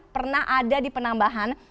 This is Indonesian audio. pernah ada di penambahan